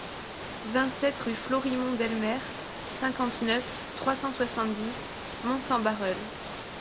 vingt-sept rue Florimond Delemer, cinquante-neuf, trois cent soixante-dix, Mons-en-Barœul